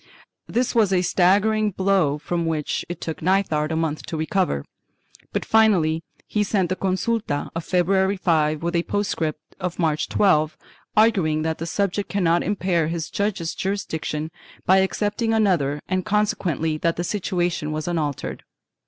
This was a staggering blow from which it took Nithard a month to recover, but finally he sent the consulta of February 5th with a postscript of March 12th, arguing that a subject cannot impair his judge's jurisdic 502 CONFLICTING JURISDICTIONS [Boon II tion by accepting another and consequently that the situation was unaltered.